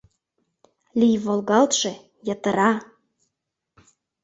Лий волгалтше, йытыра.